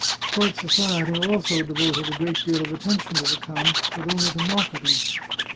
Court society also devoted a great deal of attention to the count, but only to mock at him.